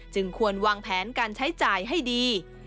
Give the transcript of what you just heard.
ควรวางแผนการใช้จ่ายให้ดี